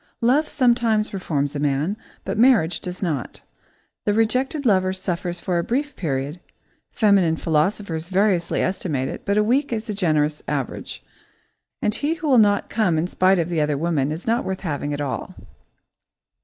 Love sometimes reforms a man, but marriage does not. The rejected lover suffers for a brief period, feminine philosophers variously estimate it, but a week is a generous average, and he who will not come in spite of "the other woman" is not worth having at all.